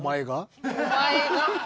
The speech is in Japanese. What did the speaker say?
「お前が？」。